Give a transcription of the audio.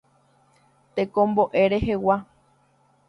Tekombo'e rehegua.